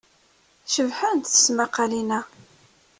Cebḥent tesmaqqalin-a.